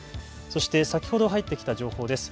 そして先ほど入ってきた情報です。